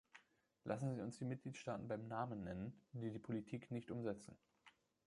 Lassen Sie uns die Mitgliedstaaten beim Namen nennen, die die Politik nicht umsetzen.